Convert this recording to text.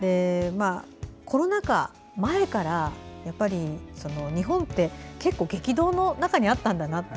コロナ禍前から日本って結構、激動の中にあったんだなって。